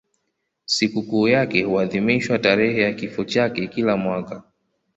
Sikukuu yake huadhimishwa tarehe ya kifo chake kila mwaka.